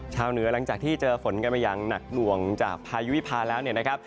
เหนือหลังจากที่เจอฝนกันมาอย่างหนักหน่วงจากพายุวิพาแล้วเนี่ยนะครับ